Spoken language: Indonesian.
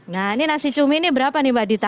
nah ini nasi cumi ini berapa nih mbak dita